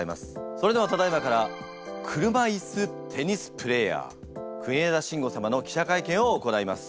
それではただいまから車いすテニスプレーヤー国枝慎吾様の記者会見を行います。